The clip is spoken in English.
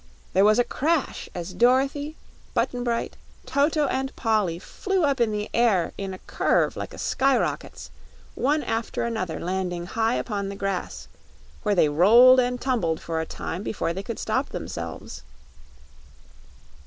There was a crash as Dorothy, Button Bright, Toto and Polly flew up in the air in a curve like a skyrocket's, one after another landing high upon the grass, where they rolled and tumbled for a time before they could stop themselves.